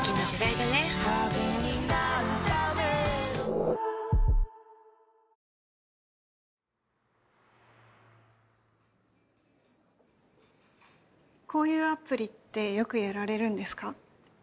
おばさんこういうアプリってよくやられるんですか？